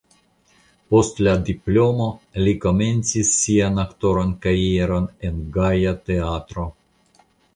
Post la diplomo li komencis sian aktoran karieron en Gaja Teatro.